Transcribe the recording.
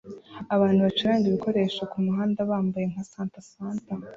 Abantu bacuranga ibikoresho kumuhanda bambaye nka Santa Santa